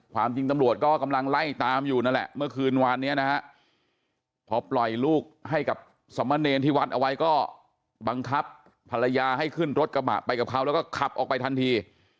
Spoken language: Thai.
ความจริงตำรวจก็กำลังไล่ตามอยู่นั่นแหละเมื่อคืนวานนี้นะฮะพอปล่อยลูกให้กับสมเนรที่วัดเอาไว้ก็บังคับภรรยาให้ขึ้นรถกระบะไปกับเขาแล้วก็ขับออกไปทันที